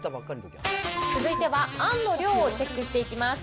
続いてはあんの量をチェックしていきます。